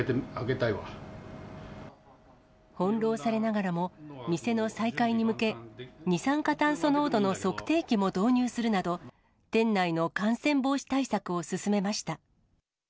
翻弄されながらも、店の再開に向け、二酸化炭素濃度の測定器も導入するなど、店内の感染防止対策を進めました。